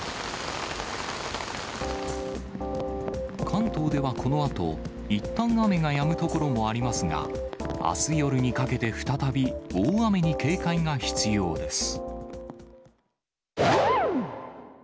関東ではこのあと、いったん雨がやむ所もありますが、あす夜にかけて、再び大雨に警戒が必要です。